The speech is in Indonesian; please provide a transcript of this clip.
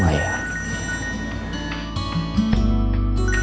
maksudnya aku udah mau bales